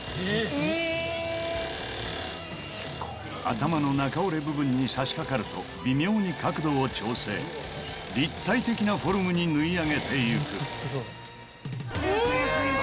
頭の中折れ部分に差し掛かると微妙に角度を調整立体的なフォルムに縫い上げて行くえ！